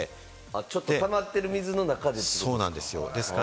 ちょっと溜まってる水の中でってことですか？